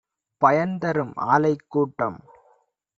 பயன்தரும் ஆலைக் கூட்டம்